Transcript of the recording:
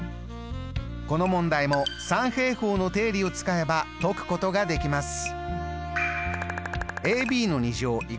この問題も三平方の定理を使えば解くことができます。